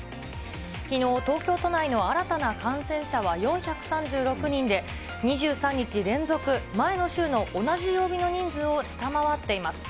きのう、東京都内の新たな感染者は４３６人で、２３日連続、前の週の同じ曜日の人数を下回っています。